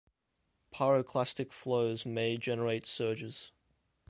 Pyroclastic flows may generate surges.